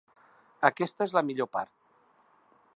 Aquesta és la millor part.